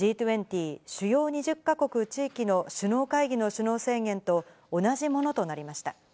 主要２０か国・地域の首脳会議の首脳宣言と同じものとなりました。